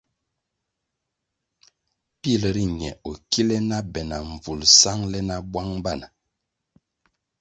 Pil riñe o kile be na mbvulʼ sangʼle nah bwang bana.